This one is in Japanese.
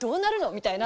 みたいな。